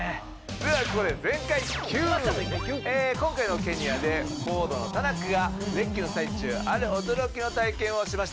ではここで今回のケニアでフォードのタナックがレッキの最中ある驚きの体験をしました。